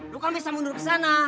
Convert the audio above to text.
lu kan bisa mundur ke sana